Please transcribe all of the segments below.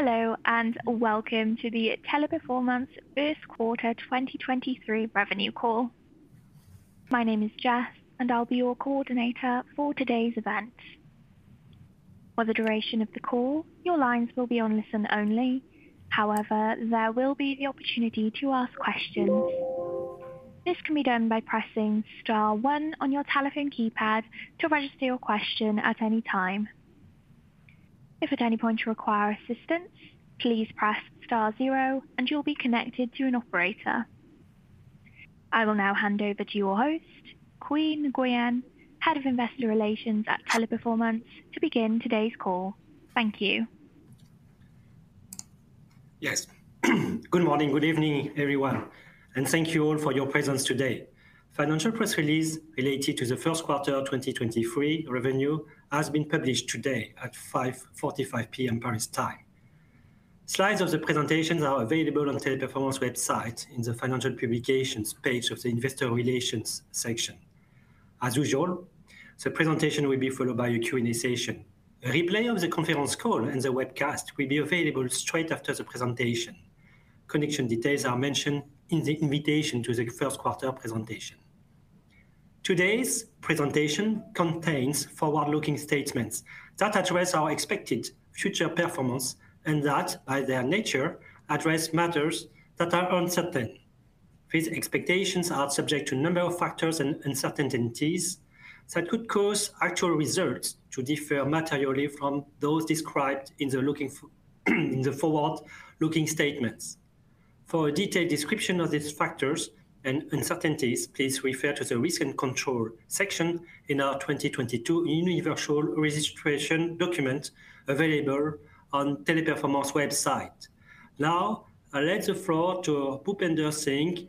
Hello, and welcome to the Teleperformance First Quarter 2023 Revenue Call. My name is Jess, and I'll be your coordinator for today's event. For the duration of the call, your lines will be on listen only. However, there will be the opportunity to ask questions. This can be done by pressing star one on your telephone keypad to register your question at any time. If at any point you require assistance, please press star zero and you'll be connected to an operator. I will now hand over to your host, Quy Nguyen-Ngoc, Head of Investor Relations at Teleperformance, to begin today's call. Thank you. Yes. Good morning, good evening, everyone. Thank you all for your presence today. Financial press release related to the first quarter of 2023 revenue has been published today at 5:45 P.M. Paris time. Slides of the presentation are available on Teleperformance website in the Financial Publications page of the Investor Relations section. As usual, the presentation will be followed by a Q&A session. A replay of the conference call and the webcast will be available straight after the presentation. Connection details are mentioned in the invitation to the first quarter presentation. Today's presentation contains forward-looking statements that address our expected future performance and that, by their nature, address matters that are uncertain. These expectations are subject to a number of factors and uncertainties that could cause actual results to differ materially from those described in the forward-looking statements. For a detailed description of these factors and uncertainties, please refer to the recent control section in our 2022 Universal Registration Document available on Teleperformance website. I'll let the floor to Bhupender Singh,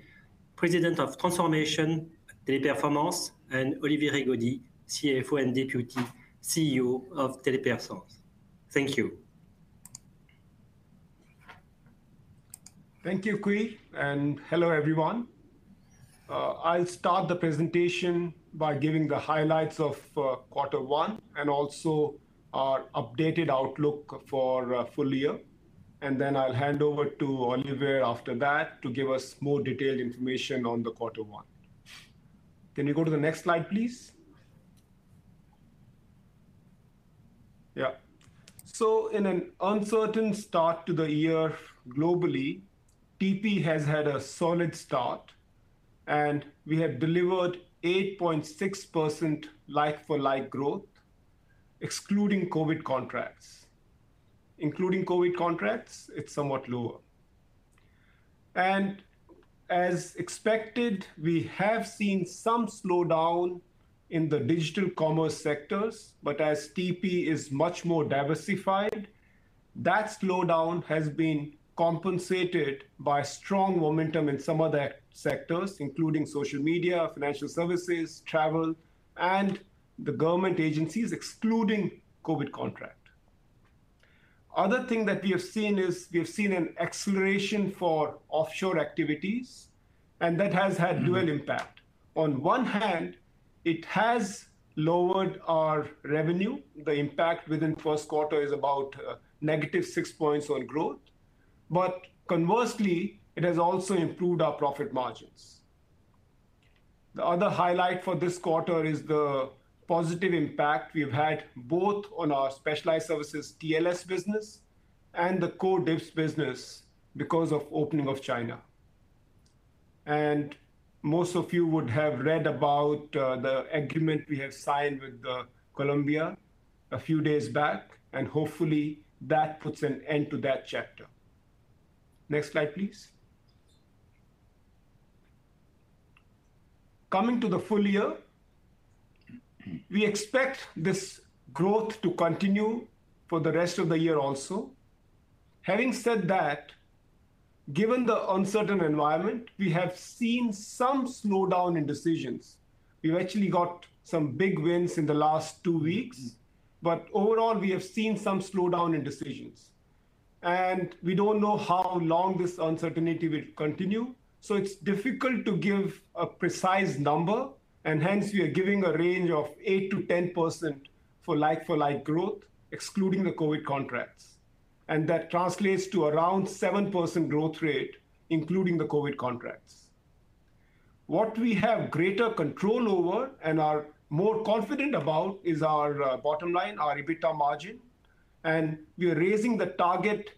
President of Transformation at Teleperformance, and Olivier Rigaudy, CFO and Deputy CEO of Teleperformance. Thank you. Thank you, Quy, hello, everyone. I'll start the presentation by giving the highlights of quarter one and also our updated outlook for full year. I'll hand over to Olivier after that to give us more detailed information on the quarter one. Can you go to the next slide, please? Yeah. In an uncertain start to the year globally, TP has had a solid start, and we have delivered 8.6% like-for-like growth, excluding COVID contracts. Including COVID contracts, it's somewhat lower. As expected, we have seen some slowdown in the digital commerce sectors, but as TP is much more diversified, that slowdown has been compensated by strong momentum in some other sectors, including social media, financial services, travel, and the government agencies, excluding COVID contract. Other thing that we have seen is we've seen an acceleration for offshore activities. That has had dual impact. On one hand, it has lowered our revenue. The impact within first quarter is about negative six points on growth. Conversely, it has also improved our profit margins. The other highlight for this quarter is the positive impact we've had both on our specialized services TLS business and the TLScontact business because of opening of China. Most of you would have read about the agreement we have signed with Colombia a few days back, and hopefully that puts an end to that chapter. Next slide, please. Coming to the full year, we expect this growth to continue for the rest of the year also. Having said that, given the uncertain environment, we have seen some slowdown in decisions. We've actually got some big wins in the last two weeks, but overall, we have seen some slowdown in decisions. We don't know how long this uncertainty will continue, so it's difficult to give a precise number, and hence we are giving a range of 8%-10% for like-for-like growth, excluding the COVID contracts. That translates to around 7% growth rate, including the COVID contracts. What we have greater control over and are more confident about is our bottom line, our EBITDA margin, and we are raising the target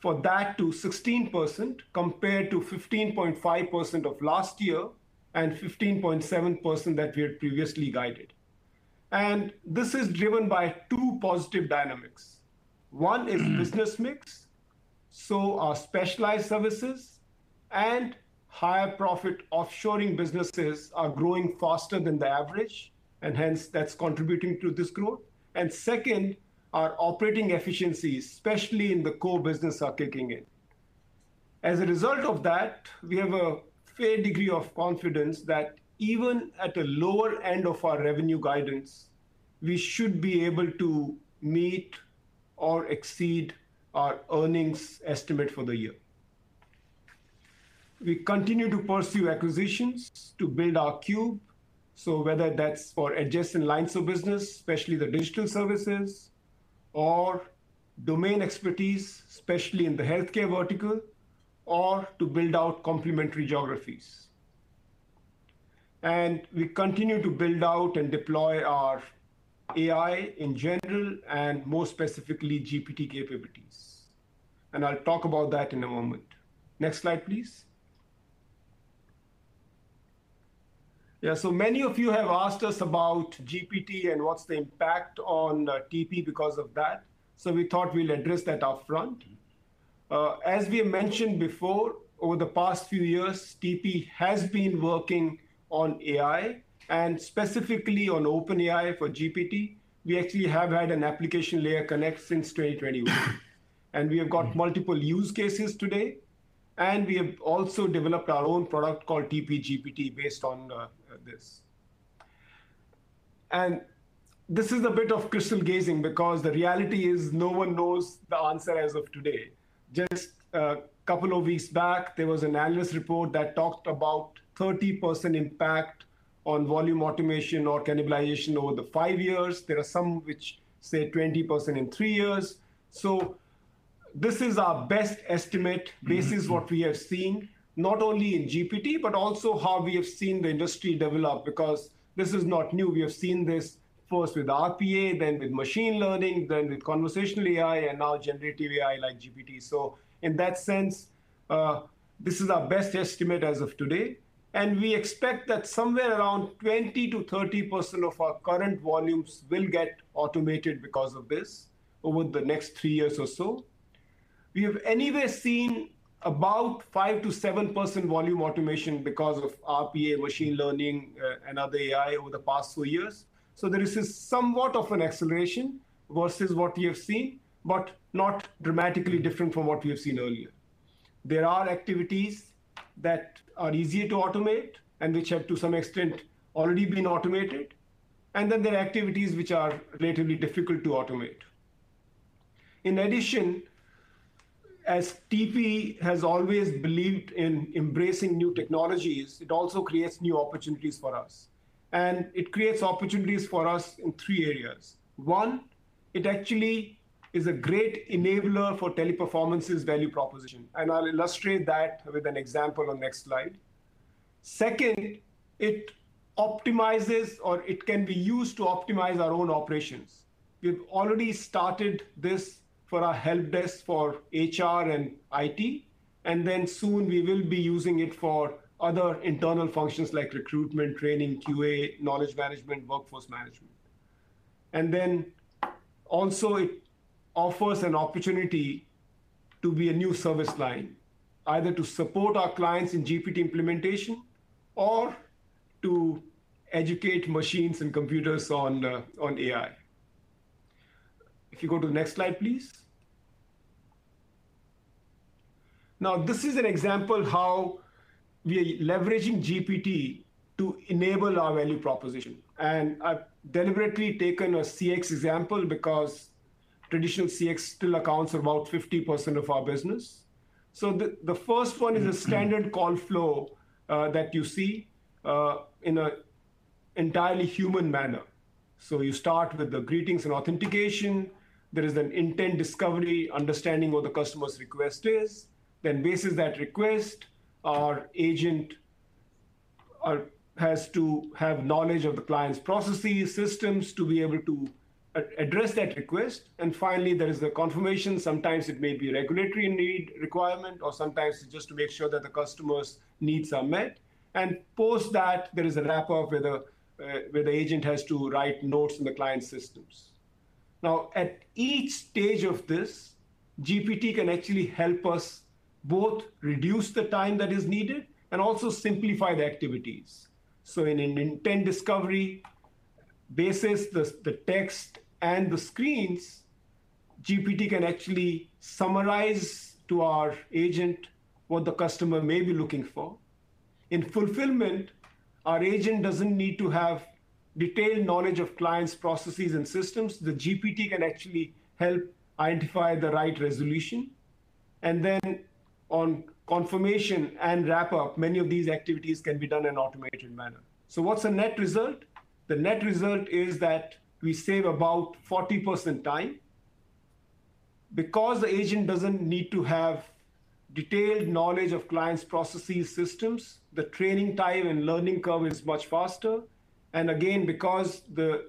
for that to 16% compared to 15.5% of last year and 15.7% that we had previously guided. This is driven by two positive dynamics. One is business mix. Our specialized services and higher profit offshoring businesses are growing faster than the average, and hence that's contributing to this growth. Second, our operating efficiencies, especially in the core business, are kicking in. As a result of that, we have a fair degree of confidence that even at the lower end of our revenue guidance, we should be able to meet or exceed our earnings estimate for the year. We continue to pursue acquisitions to build our Cube, so whether that's for adjacent lines of business, especially the digital services, or domain expertise, especially in the healthcare vertical, or to build out complementary geographies. We continue to build out and deploy our AI in general, and more specifically, GPT capabilities. I'll talk about that in a moment. Next slide, please. Many of you have asked us about GPT and what's the impact on TP because of that. We thought we'll address that upfront. As we mentioned before, over the past few years, TP has been working on AI and specifically on OpenAI for GPT. We actually have had an application layer connect since 2021, and we have got multiple use cases today, and we have also developed our own product called TP-GPT based on this. This is a bit of crystal gazing because the reality is no one knows the answer as of today. Just a couple of weeks back, there was an analyst report that talked about 30% impact on volume automation or cannibalization over the five years. There are some which say 20% in three years. This is our best estimate. This is what we have seen, not only in GPT, but also how we have seen the industry develop because this is not new. We have seen this first with RPA, then with machine learning, then with conversational AI, and now generative AI like GPT. In that sense, this is our best estimate as of today, and we expect that somewhere around 20%-30% of our current volumes will get automated because of this over the next 3 years or so. We have anyway seen about 5%-7% volume automation because of RPA, machine learning, and other AI over the past few years. There is somewhat of an acceleration versus what we have seen, but not dramatically different from what we have seen earlier. There are activities that are easier to automate and which have, to some extent, already been automated. There are activities which are relatively difficult to automate. In addition, as TP has always believed in embracing new technologies, it also creates new opportunities for us, and it creates opportunities for us in three areas. One, it actually is a great enabler for Teleperformance's value proposition, and I'll illustrate that with an example on next slide. Second, it optimizes or it can be used to optimize our own operations. We've already started this for our help desk for HR and IT, and then soon we will be using it for other internal functions like recruitment, training, QA, knowledge management, workforce management. Also it offers an opportunity to be a new service line, either to support our clients in GPT implementation or to educate machines and computers on AI. If you go to the next slide, please. This is an example how we are leveraging GPT to enable our value proposition. I've deliberately taken a CX example because traditional CX still accounts about 50% of our business. The first one is a standard call flow that you see in an entirely human manner. You start with the greetings and authentication. There is an intent discovery, understanding what the customer's request is. Bases that request, our agent has to have knowledge of the client's processes, systems to be able to address that request. Finally, there is the confirmation. Sometimes it may be a regulatory need requirement, or sometimes it's just to make sure that the customer's needs are met. Post that, there is a wrap up where the agent has to write notes in the client's systems. At each stage of this, GPT can actually help us both reduce the time that is needed and also simplify the activities. In an intent discovery basis, the text and the screens, GPT can actually summarize to our agent what the customer may be looking for. In fulfillment, our agent doesn't need to have detailed knowledge of client's processes and systems. The GPT can actually help identify the right resolution. On confirmation and wrap up, many of these activities can be done in automated manner. What's the net result? The net result is that we save about 40% time. The agent doesn't need to have detailed knowledge of client's processes, systems, the training time and learning curve is much faster. Again, because the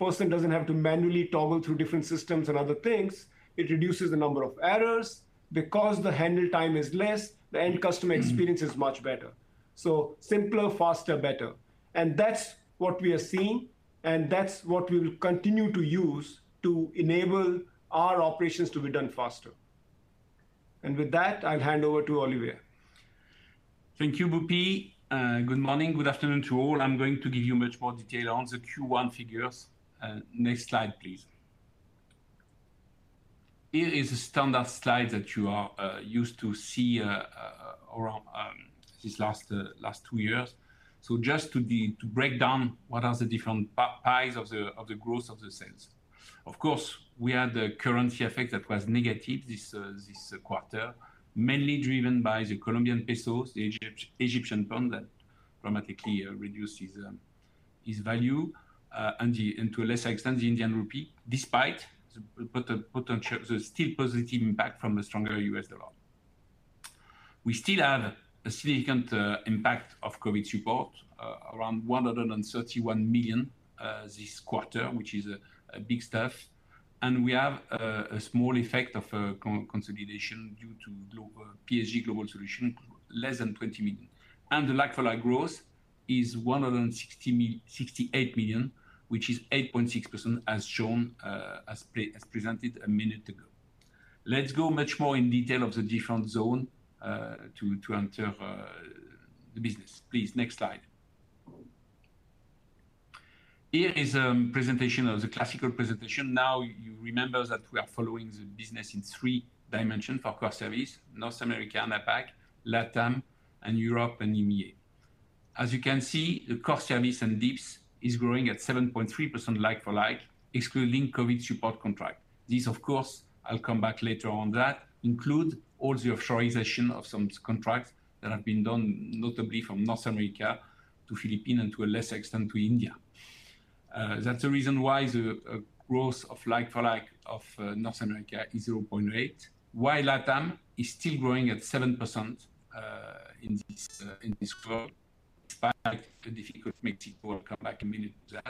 person doesn't have to manually toggle through different systems and other things, it reduces the number of errors. Because the handle time is less, the end customer experience is much better. Simpler, faster, better. That's what we are seeing, and that's what we will continue to use to enable our operations to be done faster. With that, I'll hand over to Olivier. Thank you, Bhupe. Good morning, good afternoon to all. I'm going to give you much more detail on the Q1 figures. Next slide, please. Here is a standard slide that you are used to see around these last two years. Just to break down what are the different pies of the growth of the sales. Of course, we had the currency effect that was negative this quarter, mainly driven by the Colombian pesos, the Egyptian pound that dramatically reduced its value, and to a lesser extent, the Indian rupee, despite the potential, the still positive impact from the stronger US dollar. We still have a significant impact of COVID support, around 131 million this quarter, which is a big stuff. We have a small effect of consolidation due to PSG Global Solutions, less than 20 million. The like-for-like growth is 168 million, which is 8.6%, as shown as presented a minute ago. Let's go much more in detail of the different zone to enter the business. Please, next slide. Here is presentation of the classical presentation. Now, you remember that we are following the business in three dimensions for Core Services: North America and APAC, LATAM, and Europe and EMEA. As you can see, the Core Services and D.I.B.S. is growing at 7.3% like-for-like, excluding COVID support contract. This, of course, I'll come back later on that, include all the offshorization of some contracts that have been done, notably from North America to Philippines and to a lesser extent, to India. That's the reason why the growth of like-for-like of North America is 0.8. While LATAM is still growing at 7% in this growth, despite the difficult Mexico. I'll come back a minute to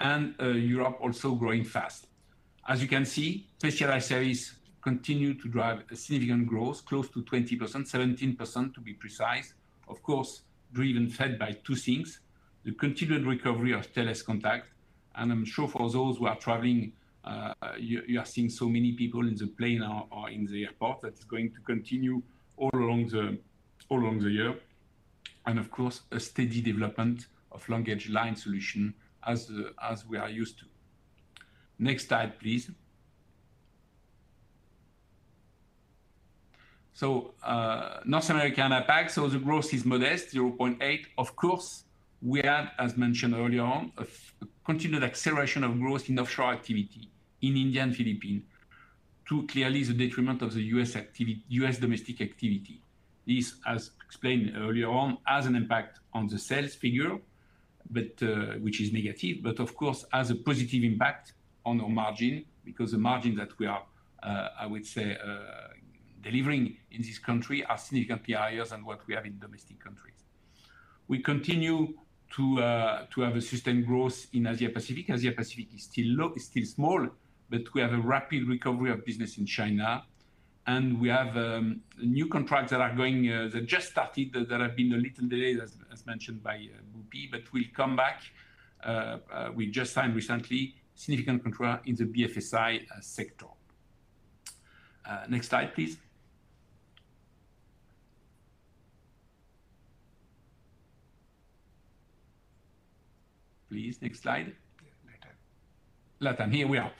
that. Europe also growing fast. As you can see, Specialized Services continue to drive a significant growth, close to 20%. 17%, to be precise. Of course, driven, fed by two things: the continued recovery of TLScontact, and I'm sure for those who are traveling, you are seeing so many people in the plane or in the airport that's going to continue all along the year, and of course, a steady development of LanguageLine Solutions as we are used to. Next slide, please. North America and APAC. The growth is modest, 0.8. Of course, we had, as mentioned earlier on, a continued acceleration of growth in offshore activity in India and Philippines, to clearly the detriment of the U.S. domestic activity. This, as explained earlier on, has an impact on the sales figure, but which is negative, but of course, has a positive impact on our margin, because the margin that we are, I would say, delivering in this country are significant higher than what we have in domestic countries. We continue to have a sustained growth in Asia Pacific. Asia Pacific is still low, is still small, but we have a rapid recovery of business in China, and we have new contracts that are going that just started, that have been a little delayed, as mentioned by Bhupe. We'll come back. We just signed recently significant contract in the BFSI sector. Next slide, please. Please, next slide. LATAM. LATAM, here we are.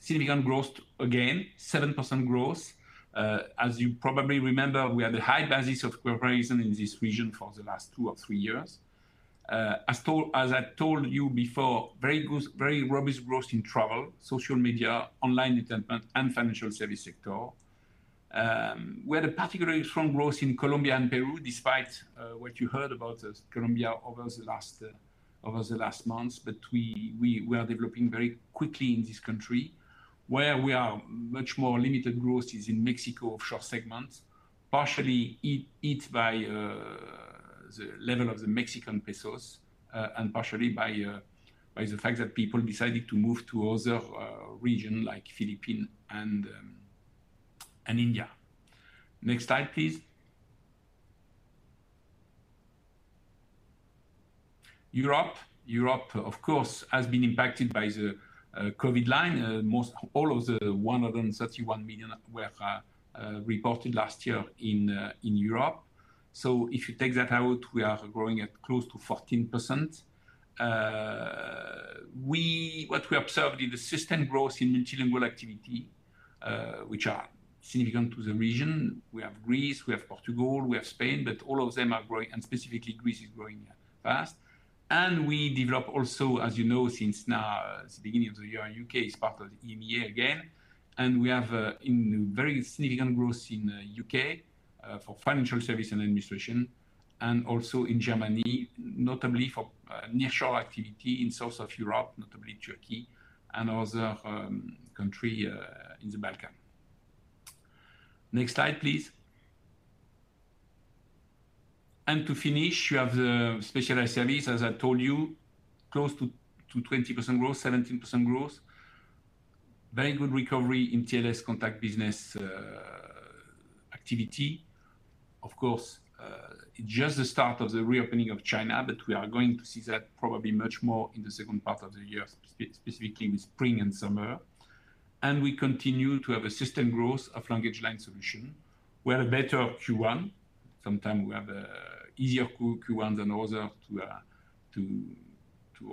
Significant growth again, 7% growth. As you probably remember, we had a high basis of comparison in this region for the last 2 or 3 years. As I told you before, very good, very robust growth in travel, social media, online entertainment, and financial service sector. We had a particularly strong growth in Colombia and Peru, despite what you heard about Colombia over the last months. We are developing very quickly in this country. Where we are much more limited growth is in Mexico offshore segments, partially eats by the level of the Mexican pesos, and partially by the fact that people decided to move to other region like Philippines and India. Next slide, please. Europe. Europe, of course, has been impacted by the COVID line. Most all of the 131 million were reported last year in Europe. If you take that out, we are growing at close to 14%. What we observed is a sustained growth in multilingual activity, which are significant to the region. We have Greece, we have Portugal, we have Spain, but all of them are growing, and specifically Greece is growing fast. We develop also, as you know, since now, since the beginning of the year, U.K. is part of the EMEA again. We have very significant growth in U.K. for financial service and administration, and also in Germany, notably for nearshore activity in source of Europe, notably Turkey and other country in the Balkans. Next slide, please. To finish, we have the Specialized Services, as I told you, close to 20% growth, 17% growth. Very good recovery in TLScontact business activity. Just the start of the reopening of China, but we are going to see that probably much more in the second part of the year, specifically with spring and summer. We continue to have a sustained growth of LanguageLine Solutions. We had a better Q1. Sometimes we have Easier Q1 than other to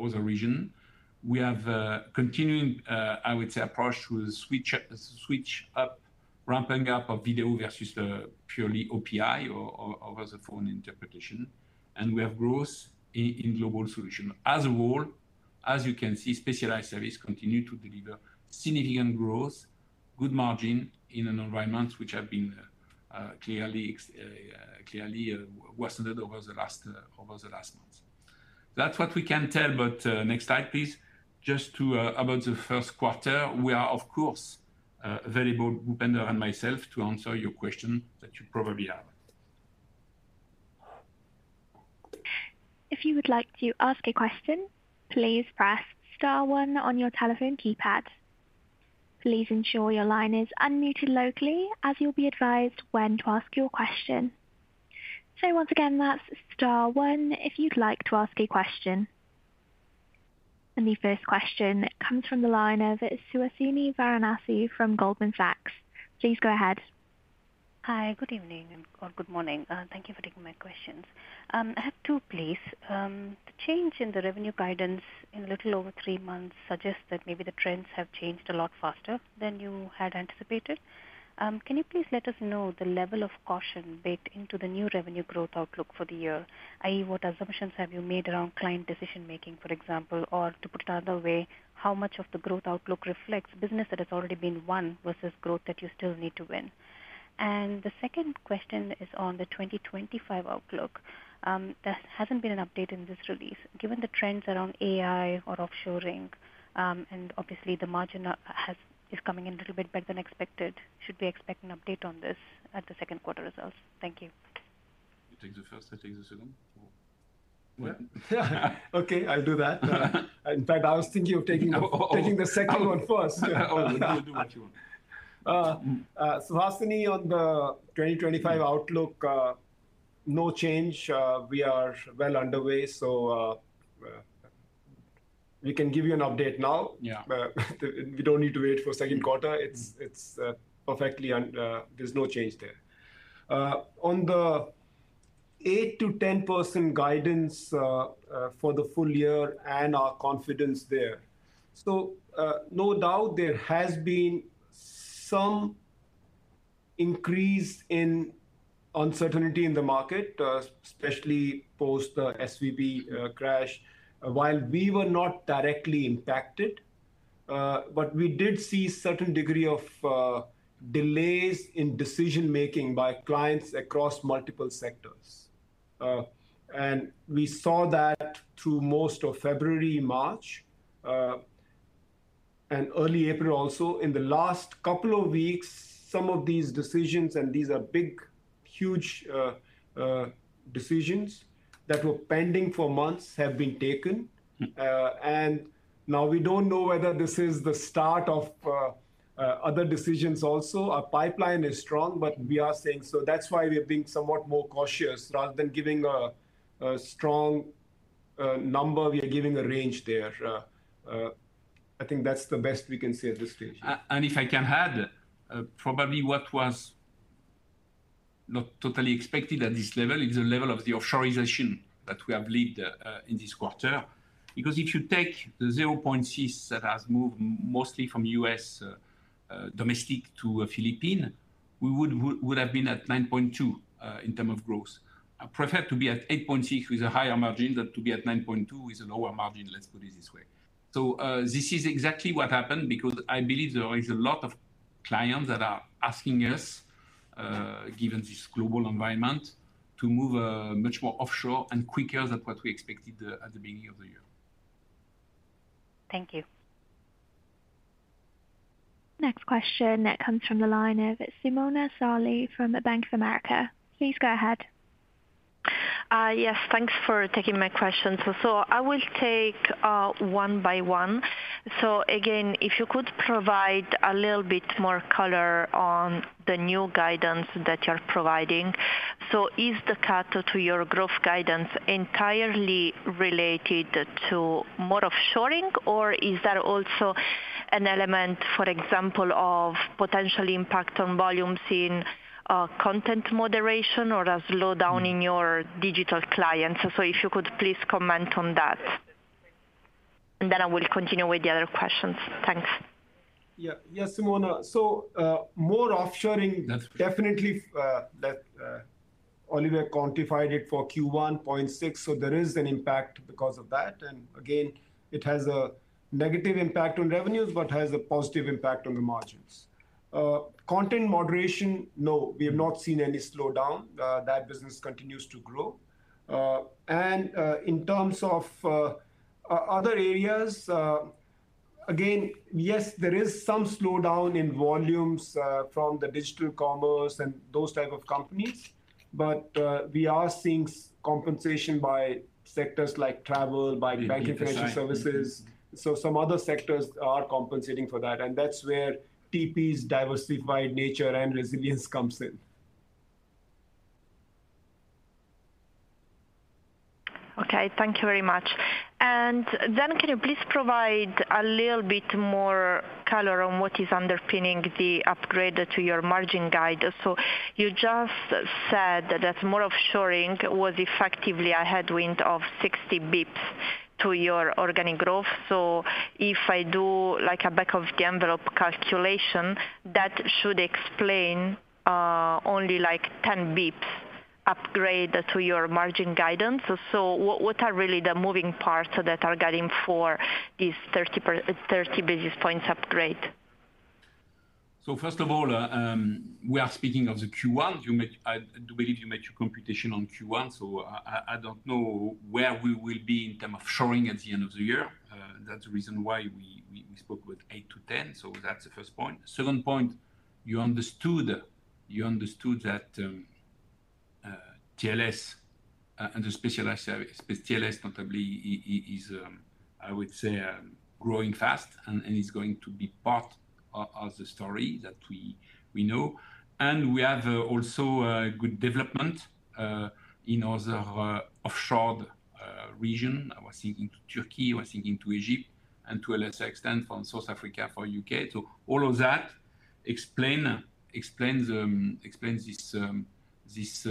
other region. We have continuing, I would say approach with switch up ramping up of video versus the purely OPI or over the phone interpretation. We have growth in global solution. As a whole, as you can see, specialized service continue to deliver significant growth, good margin in an environment which have been clearly worsened over the last months. That's what we can tell. Next slide, please. About the first quarter, we are of course, available, Bhupender and myself, to answer your question that you probably have. If you would like to ask a question, please press star one on your telephone keypad. Please ensure your line is unmuted locally as you'll be advised when to ask your question. Once again, that's star one if you'd like to ask a question. The first question comes from the line of Suhasini Varanasi from Goldman Sachs. Please go ahead. Hi. Good evening or good morning. Thank you for taking my questions. I have two please. The change in the revenue guidance in little over three months suggests that maybe the trends have changed a lot faster than you had anticipated. Can you please let us know the level of caution baked into the new revenue growth outlook for the year? What assumptions have you made around client decision-making, for example? Or to put it another way, how much of the growth outlook reflects business that has already been won versus growth that you still need to win? The second question is on the 2025 outlook, there hasn't been an update in this release. Given the trends around AI or offshorization, and obviously the margin, has is coming in a little bit better than expected, should we expect an update on this at the second quarter results? Thank you. You take the first, I take the second? Or what? Yeah. Okay, I'll do that. In fact, I was thinking of taking Of, of taking the second one first. Of course. You do what you want. Suhasini, on the 2025 outlook, no change. We are well underway. We can give you an update now. Yeah. We don't need to wait for second quarter. It's perfectly there's no change there. On the 8%-10% guidance for the full year and our confidence there. No doubt there has been some increase in uncertainty in the market, especially post the SVB crash. While we were not directly impacted, but we did see certain degree of delays in decision-making by clients across multiple sectors. We saw that through most of February, March, and early April also. In the last couple of weeks, some of these decisions, and these are big, huge decisions that were pending for months, have been taken. Now we don't know whether this is the start of other decisions also. Our pipeline is strong, but we are seeing. So that's why we are being somewhat more cautious. Rather than giving a strong number, we are giving a range there. I think that's the best we can say at this stage. If I can add, probably what was not totally expected at this level is the level of the offshorization that we have lived in this quarter. Because if you take the 0.6 that has moved mostly from US domestic to Philippine, we would have been at 9.2 in term of growth. I prefer to be at 8.6 with a higher margin than to be at 9.2 with a lower margin, let's put it this way. This is exactly what happened because I believe there is a lot of clients that are asking us, given this global environment, to move much more offshore and quicker than what we expected at the beginning of the year. Thank you. Next question comes from the line of Simona Sarli from Bank of America. Please go ahead. Yes, thanks for taking my question. I will take one by one. Again, if you could provide a little bit more color on the new guidance that you're providing. Is the cut to your growth guidance entirely related to more offshoring or is there also an element, for example, of potential impact on volumes in content moderation or a slowdown in your digital clients? If you could please comment on that. I will continue with the other questions. Thanks. Yeah. Yeah, Simona. more offshoring. That's definitely, that Olivier quantified it for Q1, 0.6. There is an impact because of that. Again, it has a negative impact on revenues but has a positive impact on the margins. Content moderation, no, we have not seen any slowdown. That business continues to grow. In terms of other areas, again, yes, there is some slowdown in volumes from the digital commerce and those type of companies, but we are seeing compensation by sectors like travel, by bank and financial services. The B2C. Some other sectors are compensating for that, and that's where TP's diversified nature and resilience comes in. Okay. Thank you very much. Can you please provide a little bit more color on what is underpinning the upgrade to your margin guide? You just said that more offshoring was effectively a headwind of 60 basis points to your organic growth. If I do like a back of the envelope calculation, that should explain only like 10 basis points upgrade to your margin guidance. What are really the moving parts that are guiding for this 30 business points upgrade? First of all, we are speaking of the Q1. Do we need to make your computation on Q1? I don't know where we will be in term of showing at the end of the year. That's the reason why we spoke with eight to 10. That's the first point. Second point, you understood that TLS and the specialized service with TLS notably is growing fast and is going to be part of the story that we know. We have also a good development in other offshore region. I was thinking to Turkey, I was thinking to Egypt and to a lesser extent from South Africa for U.K. All of that explains this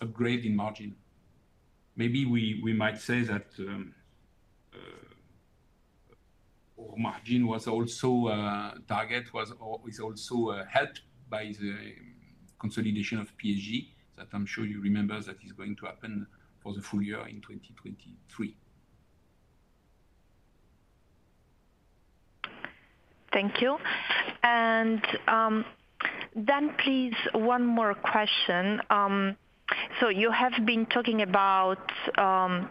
upgrade in margin. Maybe we might say that our margin target is also helped by the consolidation of PSG, that I'm sure you remember that is going to happen for the full year in 2023. Thank you. Then please one more question. You have been talking about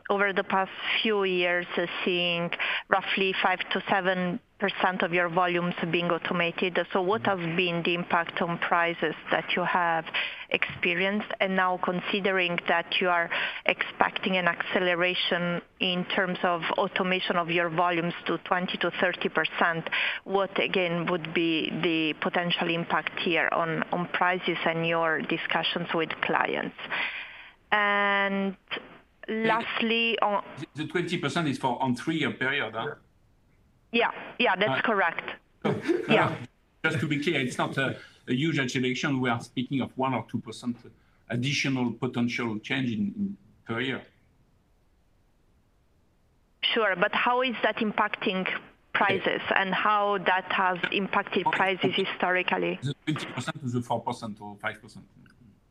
over the past few years as seeing roughly 5%-7% of your volumes being automated. What have been the impact on prices that you have experienced? Now considering that you are expecting an acceleration in terms of automation of your volumes to 20%-30%, what again would be the potential impact here on prices and your discussions with clients? Lastly on The 20% is for on three year period, huh? Yeah. Yeah, that's correct. Yeah. Just to be clear, it's not a huge acceleration. We are speaking of 1 or 2% additional potential change in per year. Sure. How is that impacting prices and how that has impacted prices historically? The 20% is a 4% or 5%.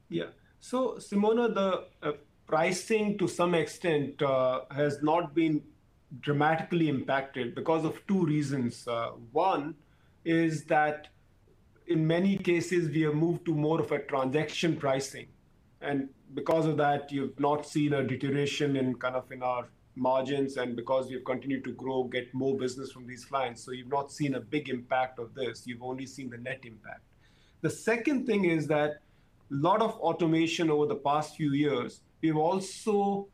Yeah. Simona, the pricing to some extent has not been dramatically impacted because of two reasons. One is that in many cases we have moved to more of a transaction pricing, and because of that you've not seen a deterioration in kind of in our margins and because we've continued to grow, get more business from these clients. You've not seen a big impact of this, you've only seen the net impact. The second thing is that lot of automation over the past few years, we've also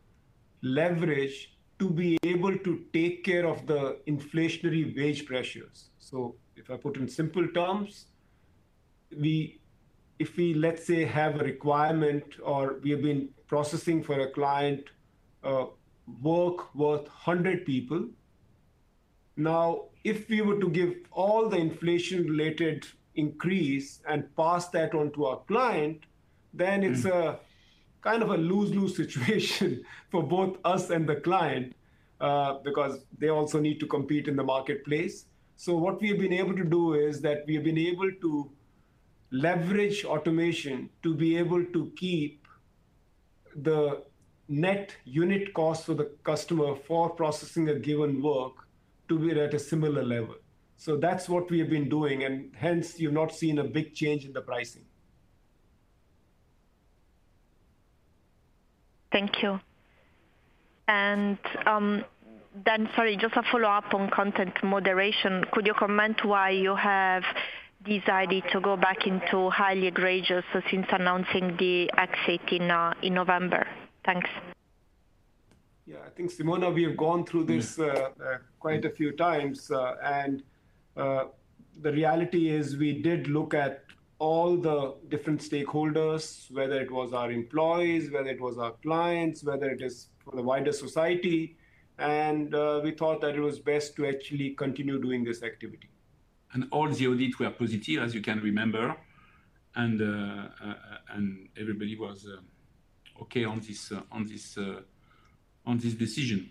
leveraged to be able to take care of the inflationary wage pressures. If I put in simple terms, if we, let's say, have a requirement or we have been processing for a client, work worth 100 people. Now, if we were to give all the inflation related increase and pass that on to our client it's a kind of a lose-lose situation for both us and the client, because they also need to compete in the marketplace. What we've been able to do is that we've been able to leverage automation to be able to keep the net unit cost for the customer for processing a given work to be at a similar level. That's what we have been doing, hence you've not seen a big change in the pricing. Thank you. Then sorry, just a follow-up on content moderation. Could you comment why you have decided to go back into highly egregious since announcing the exit in November? Thanks. Yeah. I think, Simona, we have gone through this quite a few times. The reality is we did look at all the different stakeholders, whether it was our employees, whether it was our clients, whether it is for the wider society. We thought that it was best to actually continue doing this activity. All the audit were positive, as you can remember. Everybody was okay on this decision.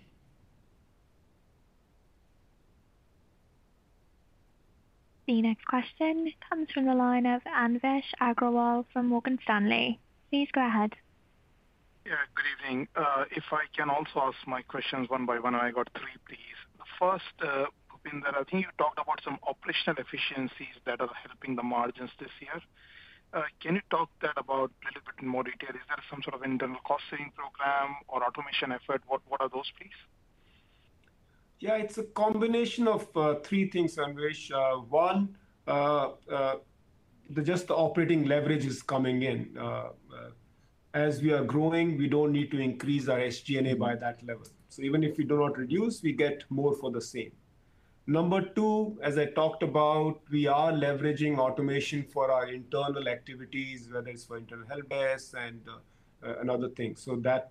The next question comes from the line of Sucheta Awasthi from Morgan Stanley. Please go ahead. Good evening. If I can also ask my questions one by one, I got three, please. The first, Bhupender, I think you talked about some operational efficiencies that are helping the margins this year. Can you talk that about a little bit in more detail? Is there some sort of internal costing program or automation effort? What, what are those, please? Yeah, it's a combination of three things, Anwesh. One, the just operating leverage is coming in. As we are growing, we don't need to increase our SG&A by that level. Even if we do not reduce, we get more for the same. Number two, as I talked about, we are leveraging automation for our internal activities, whether it's for internal helpdesk and other things.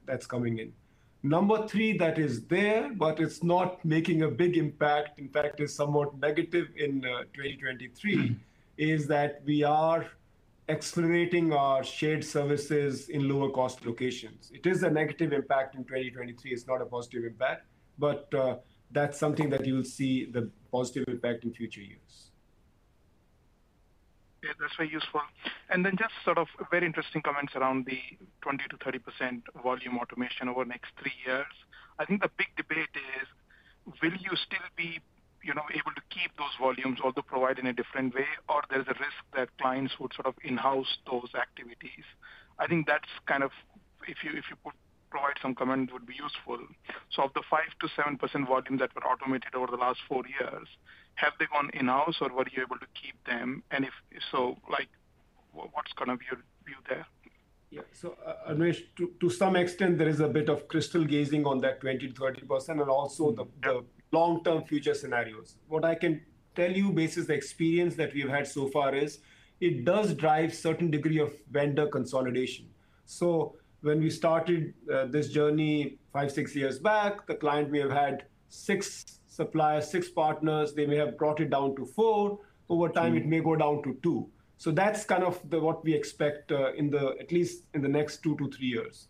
That's coming in. Number three, that is there, but it's not making a big impact. In fact, it's somewhat negative in 2023, is that we are escalating our shared services in lower cost locations. It is a negative impact in 2023. It's not a positive impact. That's something that you'll see the positive impact in future years. Yeah, that's very useful. Just sort of very interesting comments around the 20%-30% volume automation over the next three years. I think the big debate is will you still be, you know, able to keep those volumes or to provide in a different way, or there's a risk that clients would sort of in-house those activities. If you could provide some comment, would be useful. Of the 5%-7% volume that were automated over the last four years, have they gone in-house, or were you able to keep them? If so, like what's gonna be your view there? Yeah. Anish, to some extent there is a bit of crystal gazing on that 20%-30% and also the long-term future scenarios. What I can tell you based the experience that we've had so far is it does drive certain degree of vendor consolidation. When we started this journey five, six years back, the client may have had six suppliers, six partners, they may have brought it down to four. Over time, it may go down to two. That's kind of what we expect, in the at least in the next two to three years.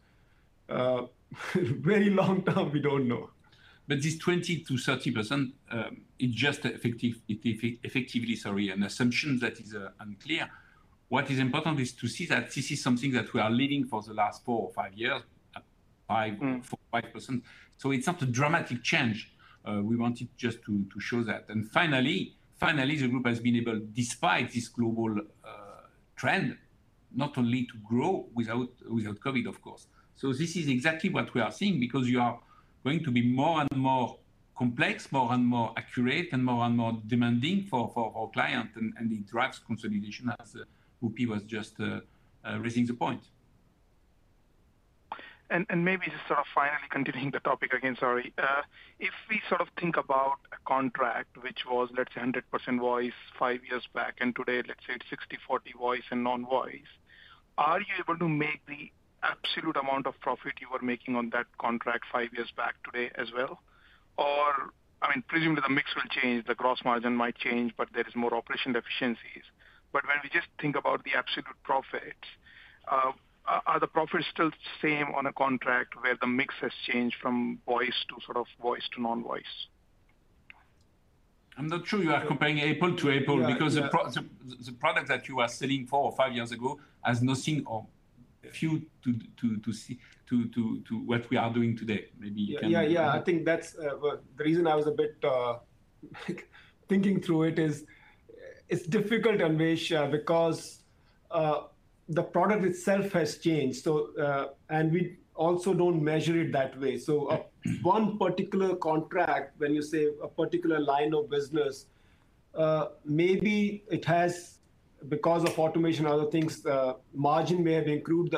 Very long term, we don't know. This 20%-30% is just effectively, sorry, an assumption that is unclear. What is important is to see that this is something that we are leading for the last four or five years by 4%, 5%. It's not a dramatic change. We wanted just to show that. Finally, the group has been able, despite this global trend, not only to grow without COVID, of course. This is exactly what we are seeing because you are going to be more and more complex, more and more accurate, and more and more demanding for our client and the drags consolidation as Rupi was just raising the point. Maybe just sort of finally continuing the topic again, sorry. If we sort of think about a contract which was let's say 100% voice five years back, and today let's say it's 60/40 voice and non-voice, are you able to make the absolute amount of profit you were making on that contract five years back today as well? I mean, presumably the mix will change, the gross margin might change, but there is more operational efficiencies. When we just think about the absolute profit, are the profits still the same on a contract where the mix has changed from voice to sort of voice to non-voice? I'm not sure you are comparing April to April. Yeah. The product that you were selling four or five years ago has nothing or a few to what we are doing today. Maybe you can. Yeah, yeah. I think that's the reason I was a bit like thinking through it is it's difficult, Anish, because the product itself has changed, and we also don't measure it that way. One particular contract, when you say a particular line of business, maybe it has because of automation and other things, the margin may have improved,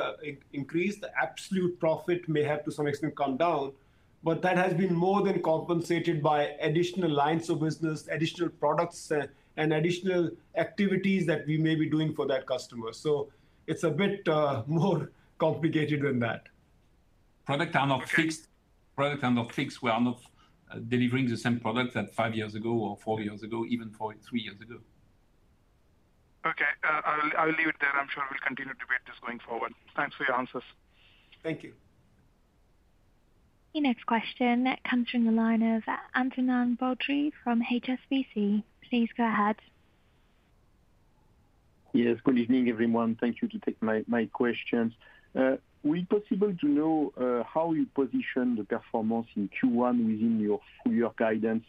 increased. The absolute profit may have to some extent come down. That has been more than compensated by additional lines of business, additional products, and additional activities that we may be doing for that customer. It's a bit more complicated than that. Product are not fixed. We are not delivering the same product that five years ago or four years ago, even for three years ago. Okay. I'll leave it there. I'm sure we'll continue to debate this going forward. Thanks for your answers. Thank you. Your next question comes from the line of Antonin Baudry from HSBC. Please go ahead. Yes. Good evening, everyone. Thank you to take my questions. Will it possible to know how you position the performance in Q1 within your full year guidance?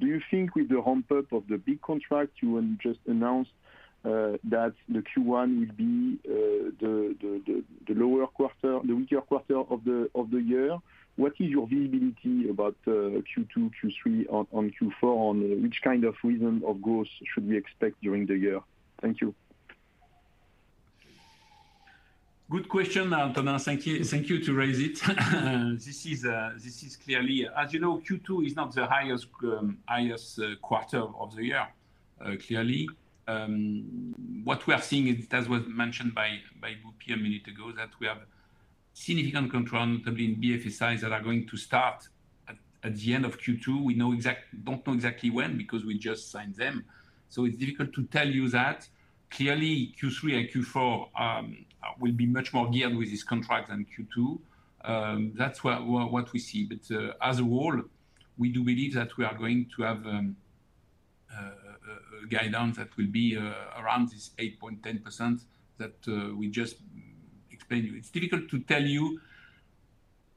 Do you think with the ramp up of the big contract you just announced that the Q1 will be the lower quarter, the weaker quarter of the year? What is your visibility about Q2, Q3 on Q4 on which kind of rhythm of growth should we expect during the year? Thank you. Good question, Antonin. Thank you. Thank you to raise it. This is clearly. As you know, Q2 is not the highest quarter of the year, clearly. What we are seeing is, as was mentioned by Rupi a minute ago, that we have significant contract, notably in BFSI, that are going to start at the end of Q2. We don't know exactly when because we just signed them, so it's difficult to tell you that. Clearly, Q3 and Q4 will be much more geared with this contract than Q2. That's what we see. As a whole, we do believe that we are going to have a guidance that will be around this 8.10% that we just explained to you. It's difficult to tell you.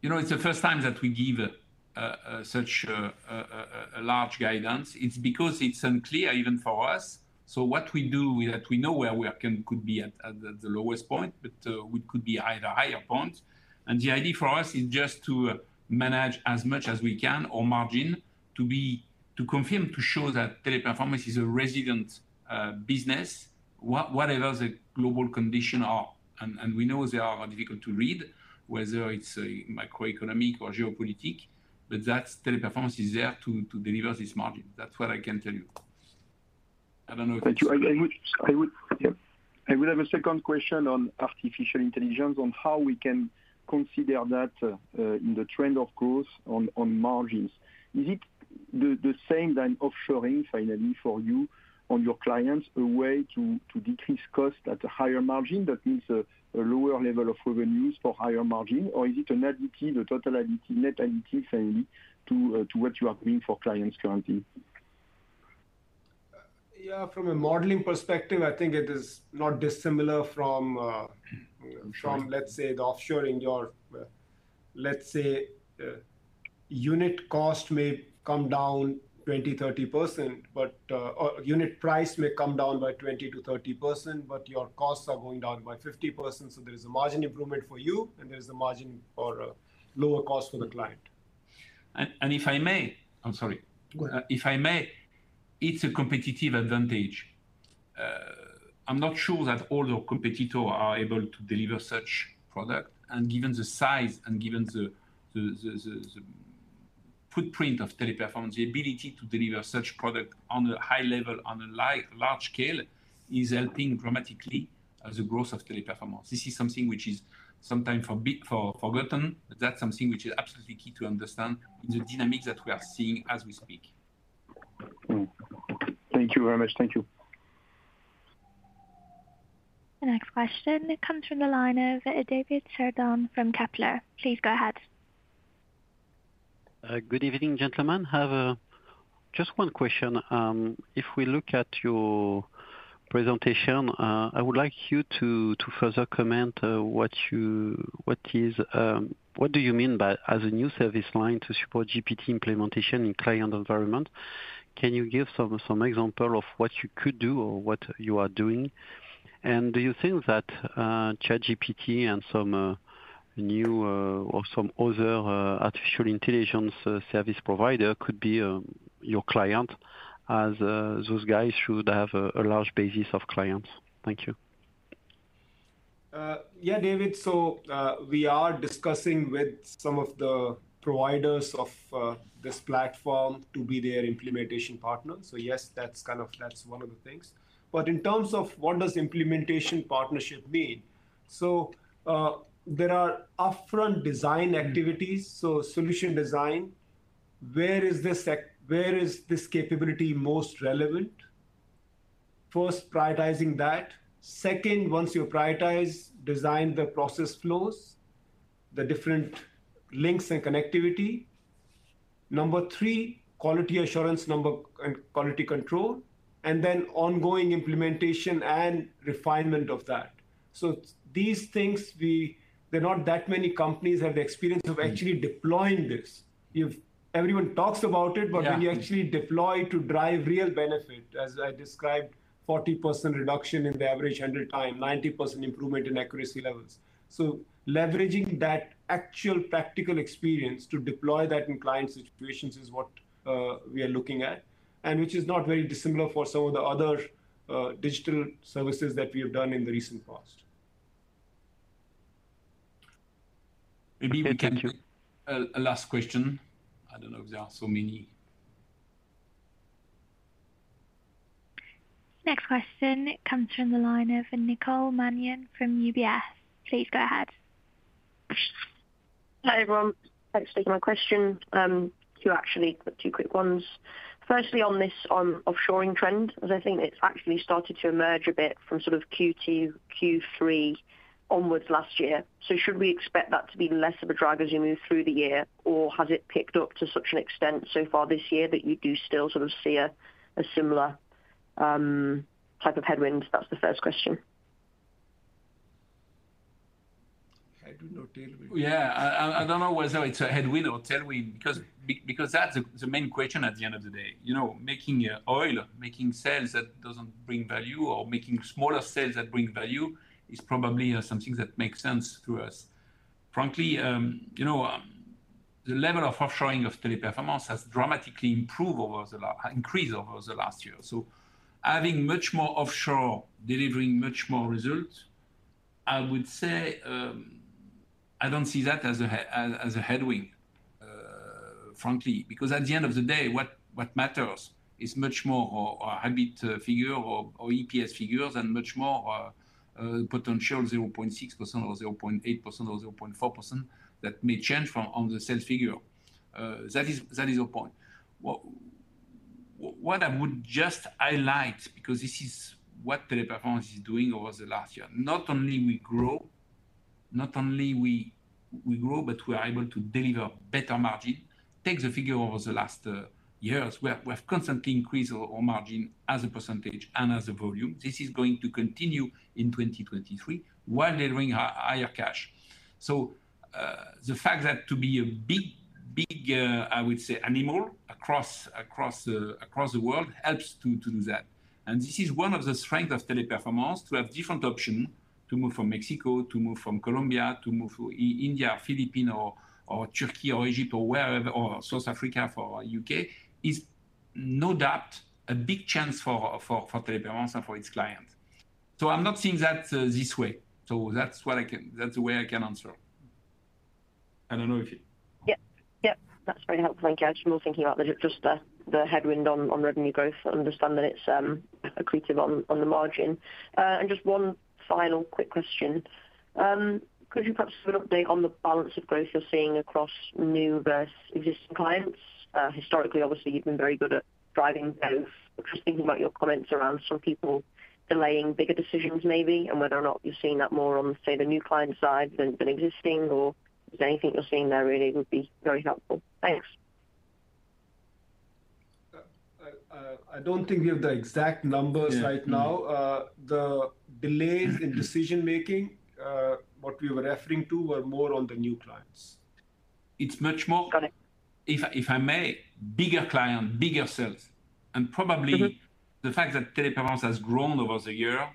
You know, it's the first time that we give such a large guidance. It's because it's unclear even for us. What we do, we know where we could be at the lowest point, but we could be at a higher point. The idea for us is just to manage as much as we can on margin to confirm, to show that Teleperformance is a resilient business. Whatever the global condition are, and we know they are difficult to read, whether it's a macroeconomic or geopolitical, that's Teleperformance is there to deliver this margin. That's what I can tell you. I don't know if it's- Thank you. I would, yep. I would have a second question on artificial intelligence, on how we can consider that in the trend of growth on margins. Is it the same than offshoring finally for you on your clients a way to decrease costs at a higher margin that means a lower level of revenues for higher margin? Or is it an EBITDA, the total EBITDA, net EBITDA finally to what you are bringing for clients currently? Yeah, from a modeling perspective, I think it is not dissimilar from, let's say, the offshorization. Let's say, unit cost may come down 20%, 30%. Unit price may come down by 20%-30%, but your costs are going down by 50%, so there is a margin improvement for you, and there is a margin or a lower cost for the client. if I may, I'm sorry. Go ahead. If I may, it's a competitive advantage. I'm not sure that all your competitor are able to deliver such product. Given the size and given the footprint of Teleperformance, the ability to deliver such product on a high level, on a large scale is helping dramatically the growth of Teleperformance. This is something which is sometimes forgotten. That's something which is absolutely key to understand in the dynamics that we are seeing as we speak. Thank you very much. Thank you. The next question comes from the line of David Cerdan from Kepler. Please go ahead. Good evening, gentlemen. I have just one question. If we look at your presentation, I would like you to further comment what is. What do you mean by as a new service line to support GPT implementation in client environment? Can you give some example of what you could do or what you are doing? Do you think that ChatGPT and some new or some other artificial intelligence service provider could be your client as those guys should have a large basis of clients? Thank you. Yeah, David. We are discussing with some of the providers of this platform to be their implementation partner. Yes, that's one of the things. In terms of what does implementation partnership mean? There are upfront design activities. Solution design, where is this capability most relevant? First, prioritizing that. Second, once you prioritize, design the process flows, the different links and connectivity. Number three, quality assurance number and quality control, and then ongoing implementation and refinement of that. These things. There are not that many companies have the experience of actually deploying this. Everyone talks about it. Yeah. When you actually deploy to drive real benefit, as I described, 40% reduction in the average handle time, 90% improvement in accuracy levels. Leveraging that actual practical experience to deploy that in client situations is what we are looking at, and which is not very dissimilar for some of the other digital services that we have done in the recent past. Okay. Thank you. Maybe we can take a last question. I don't know if there are so many. Next question comes from the line of Nicole Manion from UBS. Please go ahead. Hi, everyone. Thanks for taking my question. Two actually. Got two quick ones. Firstly, on offshoring trend, as I think it's actually started to emerge a bit from sort of Q2, Q3 onwards last year. Should we expect that to be less of a drag as you move through the year? Or has it picked up to such an extent so far this year that you do still sort of see a similar type of headwind? That's the first question. Headwind or tailwind. I don't know whether it's a headwind or tailwind because that's the main question at the end of the day. You know, making sales that doesn't bring value or making smaller sales that bring value is probably something that makes sense to us. Frankly, you know, the level of offshoring of Teleperformance has dramatically increased over the last year. Having much more offshore, delivering much more results, I would say, I don't see that as a headwind, frankly. At the end of the day, what matters is much more our EBITDA figure or EPS figures and much more our potential 0.6% or 0.8% or 0.4% that may change from on the sales figure. That is your point. What I would just highlight, because this is what Teleperformance is doing over the last year, not only we grow, not only we grow, but we are able to deliver better margin. Take the figure over the last years. We have constantly increased our margin as a percentage and as a volume. This is going to continue in 2023 while delivering higher cash. The fact that to be a big I would say animal across the world helps to do that. This is one of the strength of Teleperformance, to have different option. To move from Mexico, to move from Colombia, to move from India or Filipino or Turkey or Egypt or wherever, or South Africa or U.K., is no doubt a big chance for Teleperformance and for its clients. I'm not seeing that this way. That's what I can. That's the way I can answer. I don't know if you. Yep. Yep, that's very helpful. Thank you. I'm just more thinking about the, just the headwind on revenue growth. I understand that it's accretive on the margin. Just one final quick question. Could you perhaps give an update on the balance of growth you're seeing across new versus existing clients? Historically, obviously, you've been very good at driving both. I'm just thinking about your comments around some people delaying bigger decisions maybe, and whether or not you're seeing that more on, say, the new client side than existing or... Is there anything you're seeing there really would be very helpful. Thanks. I don't think we have the exact numbers right now. Yeah. The delays in decision-making, what we were referring to were more on the new clients. It's much more. Got it. if I may, bigger client, bigger sales the fact that Teleperformance has grown over the year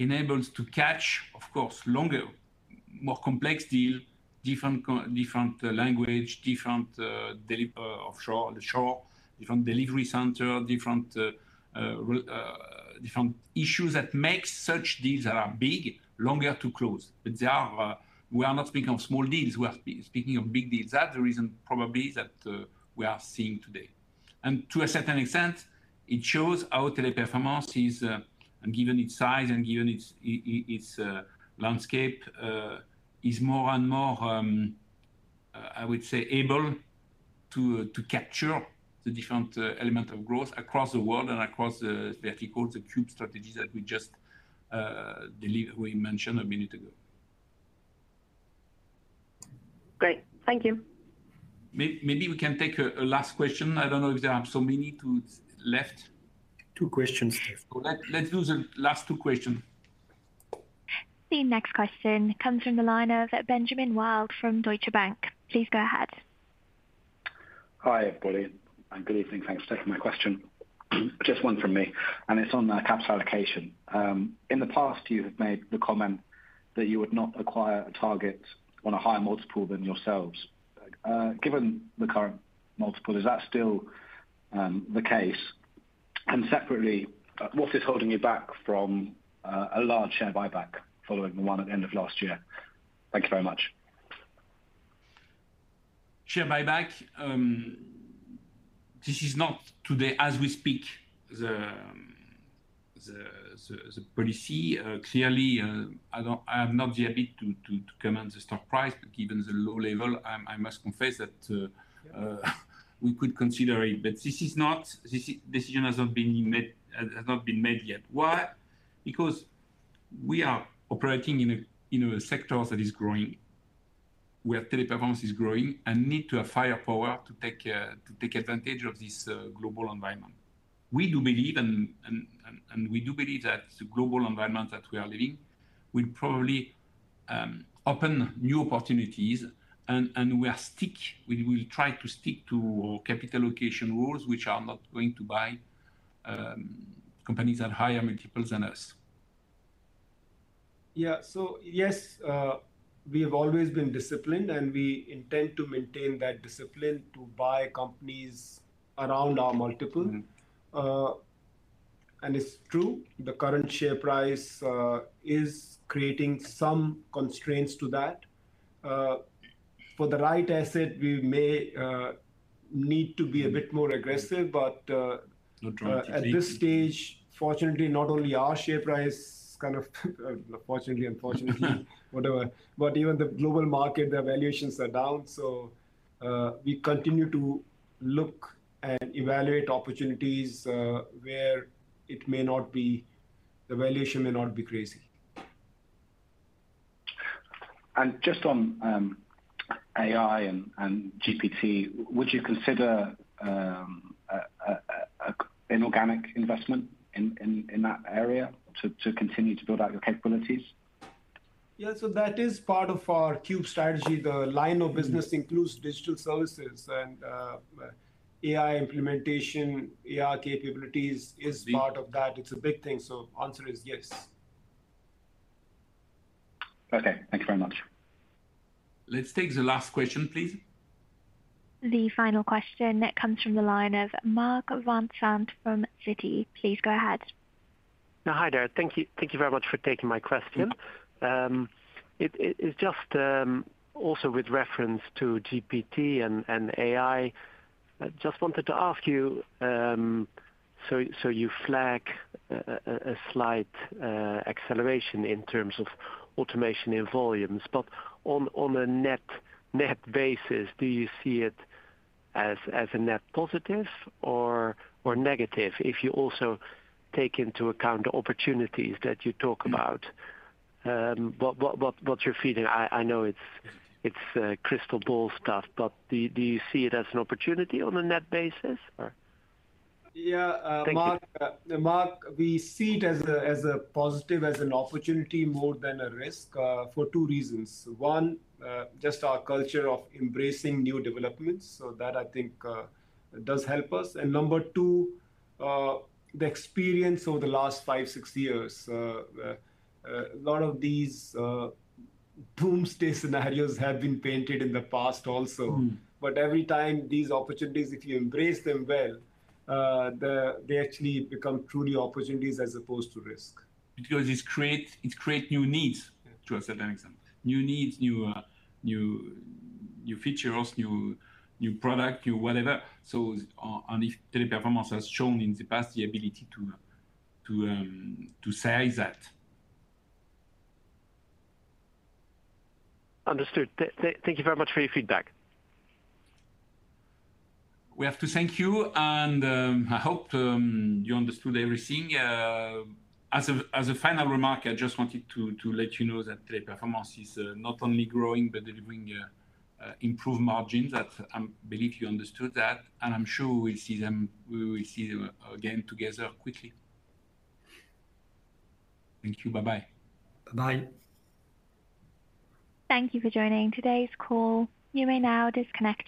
enables to catch, of course, longer, more complex deal, different language, different deliver offshore, onshore, different delivery center, different issues that makes such deals that are big, longer to close. They are. We are not speaking of small deals. We are speaking of big deals. That's the reason probably that we are seeing today. To a certain extent, it shows how Teleperformance is, and given its size and given its landscape, is more and more, I would say able to capture the different element of growth across the world and across the verticals, the cube strategies that we just mentioned a minute ago. Great. Thank you. Maybe we can take a last question. I don't know if there are so many left. Two questions left. Let's do the last two question. The next question comes from the line of Benjamin Wild from Deutsche Bank. Please go ahead. Hi, everybody, and good evening. Thanks for taking my question. Just one from me, and it's on the capital allocation. In the past, you have made the comment that you would not acquire a target on a higher multiple than yourselves. Given the current multiple, is that still the case? Separately, what is holding you back from a large share buyback following the one at the end of last year? Thank you very much. Share buyback, this is not today as we speak, the policy. Clearly, I'm not happy to command the stock price, given the low level. I must confess that we could consider it. This decision has not been made yet. Why? Because we are operating in a sector that is growing, where Teleperformance is growing, and need to have firepower to take advantage of this global environment. We do believe and we do believe that the global environment that we are living will probably open new opportunities and we are stick. We will try to stick to our capital allocation rules, which are not going to buy companies at higher multiples than us. Yes, we have always been disciplined, and we intend to maintain that discipline to buy companies around our multiple. It's true, the current share price is creating some constraints to that. For the right asset, we may need to be a bit more aggressive. We're trying to take At this stage, fortunately, not only our share price kind of, fortunately. Even the global market, the valuations are down. We continue to look and evaluate opportunities, the valuation may not be crazy. Just on AI and GPT, would you consider an organic investment in that area to continue to build out your capabilities? Yeah. That is part of our Cube strategy. The line of business includes digital services and AI implementation, AI capabilities is part of that. It's a big thing. Answer is yes. Okay. Thank you very much. Let's take the last question, please. The final question that comes from the line of Karl Green from Citi. Please go ahead. Now. Hi there. Thank you. Thank you very much for taking my question. It is just also with reference to GPT and AI. I just wanted to ask you, so you flag a slight acceleration in terms of automation in volumes. On a net basis, do you see it as a net positive or negative if you also take into account the opportunities that you talk about? What's your feeling? I know it's crystal ball stuff, but do you see it as an opportunity on a net basis or? Yeah. Thank you. Mark, we see it as a positive, as an opportunity more than a risk, for two reasons. One, just our culture of embracing new developments. That I think does help us. Number two, the experience over the last five, six years. A lot of these doomsday scenarios have been painted in the past also. Every time these opportunities, if you embrace them well, they actually become truly opportunities as opposed to risk. It create new needs to a certain extent. New needs, new features, new product, new whatever. If Teleperformance has shown in the past the ability to size that. Understood. Thank you very much for your feedback. We have to thank you. I hope you understood everything. As a final remark, I just wanted to let you know that Teleperformance is not only growing but delivering improved margins. That I believe you understood that, and I'm sure we'll see them, we will see them again together quickly. Thank you. Bye-bye. Bye-bye. Thank you for joining today's call. You may now disconnect.